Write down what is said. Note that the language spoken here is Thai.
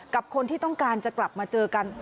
กับคนที่ต้องการจะกลับมาเจอกัน